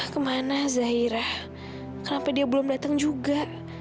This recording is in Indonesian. kemana zairah kenapa dia belum datang juga